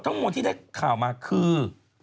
ทั้งหมดที่ได้ข่าวมาคือ